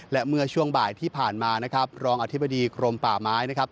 และเมื่อช่วงบ่ายที่ผ่านมารองอธิบดีกรมป่าไม้